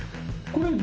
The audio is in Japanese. これ。